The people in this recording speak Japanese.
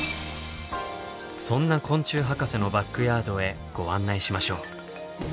そんな昆虫博士のバックヤードへご案内しましょう。